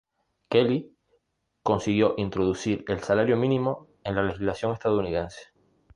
Kelley consiguió introducir el salario mínimo en la legislación estadounidense.